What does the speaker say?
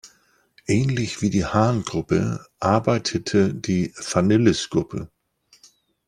Ähnlich wie die Hahn-Gruppe arbeitete die Phanyllis-Gruppe.